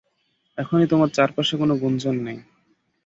এখনই তোমার চারপাশে কোন গুঞ্জন নেই।